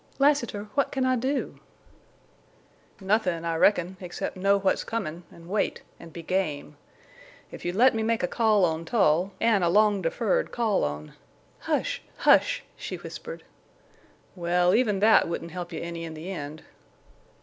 "Lassiter, what can I do?" "Nothin', I reckon, except know what's comin' an' wait an' be game. If you'd let me make a call on Tull, an' a long deferred call on—" "Hush!... Hush!" she whispered. "Well, even that wouldn't help you any in the end."